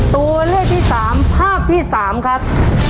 ตัวเลือดที่สามภาพที่สามครับ